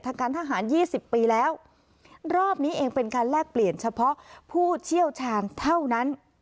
การทหารยี่สิบปีแล้วรอบนี้เองเป็นการแลกเปลี่ยนเฉพาะผู้เชี่ยวชาญเท่านั้น